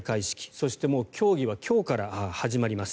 そしてもう競技は今日から始まります。